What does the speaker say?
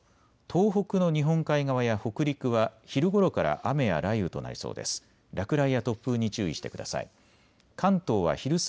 東北の日本海側や北陸は昼ごろから雨や雷雨となりそうです。